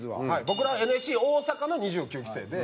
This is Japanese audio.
僕らはＮＳＣ大阪の２９期生で。